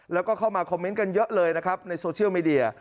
แล้วก็เข้ามาคอมเมนต์กันเยอะเลยนะครับในโซเชียลมีเดีย